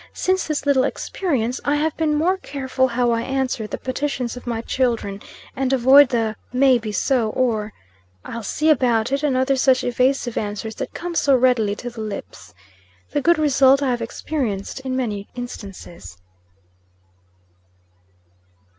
Since this little experience, I have been more careful how I answer the petitions of my children; and avoid the "May be so," "I'll see about it," and other such evasive answers that come so readily to the lips. The good result I have experienced in many instances.